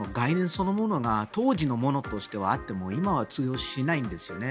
そのものが当時のものとしてはあっても今は通用しないんですよね。